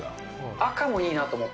赤もいいなと思って。